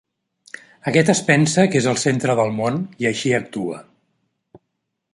Aquest es pensa que és el centre del món, i així actua.